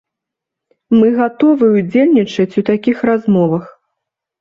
Мы гатовыя ўдзельнічаць у такіх размовах.